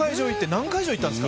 何会場行ったんですか。